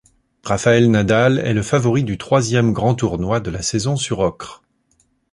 Rafael Nadal est le favori du troisième grand tournoi de la saison sur ocre.